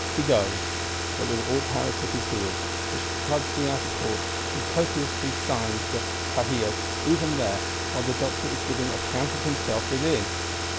He goes; but with all Paris at his heels; which floods the outer courts, and copiously signs the Cahier even there, while the Doctor is giving account of himself within!